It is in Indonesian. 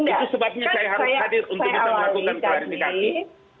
itu sebabnya saya harus hadir untuk melakukan kehadiran dikati